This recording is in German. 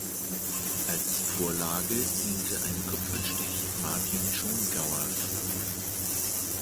Als Vorlage diente ein Kupferstich Martin Schongauers.